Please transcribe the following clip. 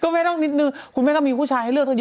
คุณแม่ต้องนึกนึกคุณต้องมีคุณคุณต้องมีผู้ชายให้เลือกทำเยอะ